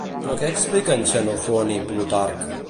Però què expliquen Xenofont i Plutarc?